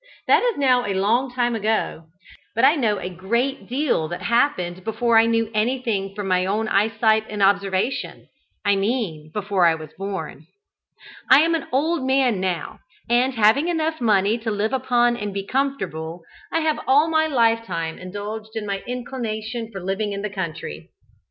That is now a long time ago, but I know a great deal that happened before I knew anything from my own eyesight and observation I mean before I was born. I am an old man now, and having enough money to live upon and be comfortable, I have all my lifetime indulged my inclination for living in the country.